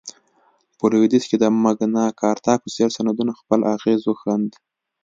په لوېدیځ کې د مګناکارتا په څېر سندونو خپل اغېز وښند.